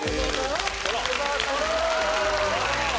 よろしくお願いします。